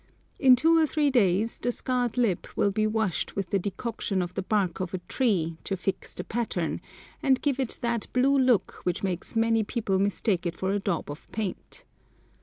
In two or three days the scarred lip will be washed with the decoction of the bark of a tree to fix the pattern, and give it that blue look which makes many people mistake it for a daub of paint.